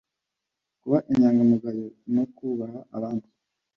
kuba inyangamugayo no kubaha abandi